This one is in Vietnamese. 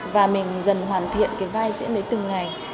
và mình dần hoàn thiện cái vai diễn đấy từng ngày